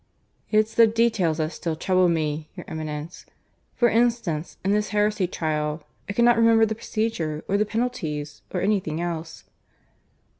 "It's the details that still trouble me, your Eminence. For instance, in this heresy trial, I cannot remember the procedure, or the penalties, or anything else."